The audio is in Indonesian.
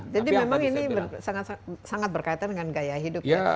jadi memang ini sangat berkaitan dengan gaya hidup ya